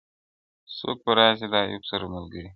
څوك به راسي د ايوب سره ملګري!!